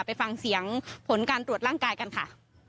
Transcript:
ไปฟังเสียงผลการตรวจร่างกายกันค่ะ